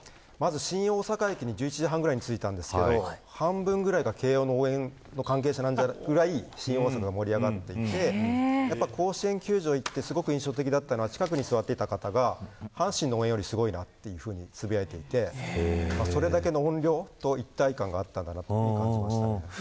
新大阪駅に１１時半ぐらいに着いたんですが、半分ぐらいが慶応の応援関係者なんじゃないかというくらい新大阪が盛り上がっていて甲子園球場行って印象的だったのが近くに座っていた方が阪神の応援よりすごいな、とつぶやいていてそれだけの音量と一体感があったんだなと感じました。